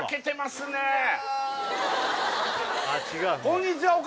こんにちは